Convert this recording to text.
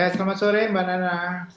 selamat sore mbak nana